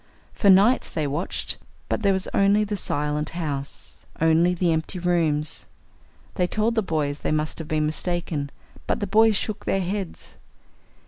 For nights they watched. But there was only the silent house. Only the empty rooms. They told the boys they must have been mistaken. But the boys shook their heads.